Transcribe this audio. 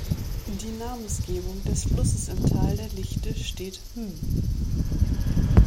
Die Namensgebung des Flusses im Tal der Lichte steht mh.